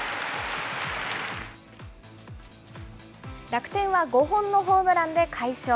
楽天は５本のホームランで快勝。